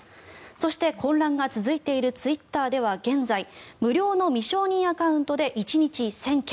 そして、混乱が続いているツイッターでは現在無料の未承認アカウントで１日１０００件